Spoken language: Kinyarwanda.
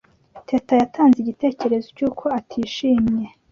Teta yatanze igitekerezo cy'uko atishimye.